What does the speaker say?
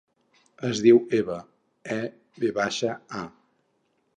Es diu Eva: e, ve baixa, a.